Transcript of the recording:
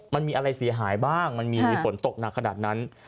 มันมีอะไรเสียหายบ้างมันมีฝนตกหนักขนาดนั้น